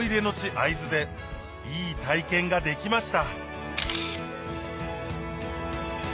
会津でいい体験ができました